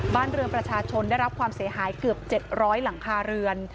บ้านเรือนประชาชนได้รับความเสียหายเกือบ๗๐๐หลังคาเรือน